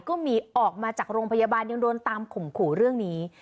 ก็มีออกมาจากโรงพยาบาลยังโดนตามข่มขู่เรื่องนี้